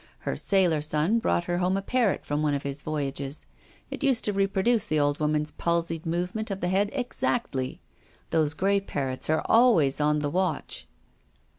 Her sailor son brought her home a parrot from one of his voyages. It used to reproduce the old woman's palsied movement of tlic head exactly. Those grey parrots arc always on the watch."